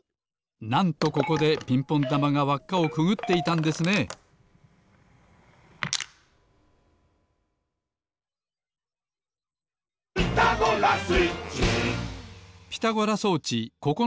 なんとここでピンポンだまが輪っかをくぐっていたんですねまだまだつづきます！